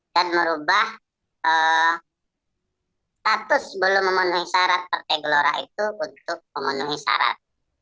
karena status belum memenuhi syarat partai gelora itu untuk memenuhi syarat